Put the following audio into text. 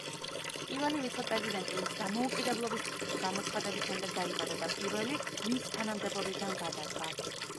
პირველი ვიცე-პრეზიდენტი, ვინც დამოუკიდებლობის გამოცხადების შემდეგ დაიბადა და პირველი, ვინც თანამდებობიდან გადადგა.